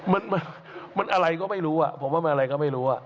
มันมันอะไรก็ไม่รู้อ่ะผมว่ามันอะไรก็ไม่รู้อ่ะ